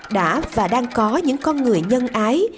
đã và đang có những con người nhân ái